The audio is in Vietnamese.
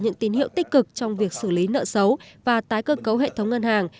những tín hiệu tích cực trong việc xử lý nợ xấu và tái cơ cấu hệ thống ngân hàng